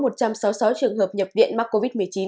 sáu mươi sáu trường hợp nhập viện mắc covid một mươi chín